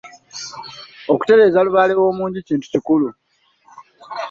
Okutereeza Lubaale w’omu nju kintu kikulu.